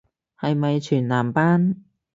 係咪全男班